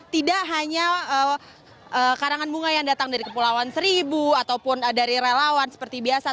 tidak hanya karangan bunga yang datang dari kepulauan seribu ataupun dari relawan seperti biasa